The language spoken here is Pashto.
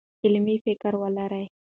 علمي فکر ولرئ.